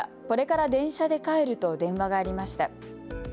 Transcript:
これから電車で帰ると電話がありました。